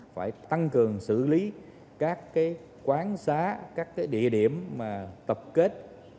phải tăng cường xử lý các cái quán xá các cái địa điểm mà tập kết